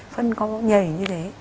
phân có nhầy như thế